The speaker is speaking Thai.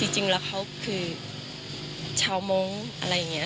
จริงแล้วเขาคือชาวมงค์อะไรอย่างนี้